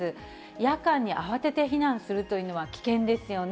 夜間に慌てて避難するというのは、危険ですよね。